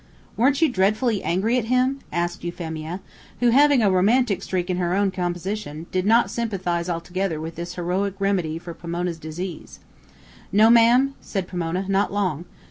"Weren't you dreadfully angry at him?" asked Euphemia, who, having a romantic streak in her own composition, did not sympathize altogether with this heroic remedy for Pomona's disease. "No, ma'am," said Pomona, "not long.